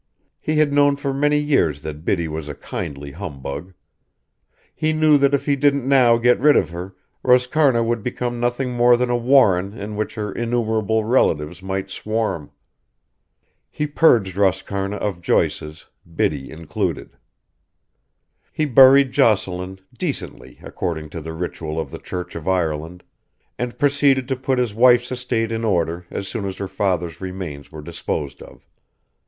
He had known for many years that Biddy was a kindly humbug. He knew that if he didn't now get rid of her Roscarna would become nothing more than a warren in which her innumerable relatives might swarm. He purged Roscarna of Joyces, Biddy included. He buried Jocelyn decently according to the ritual of the Church of Ireland, and proceeded to put his wife's estate in order as soon as her father's remains were disposed of.